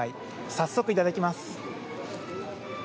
早速いただきます。